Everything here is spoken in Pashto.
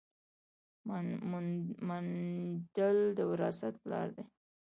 مندل د وراثت پلار دی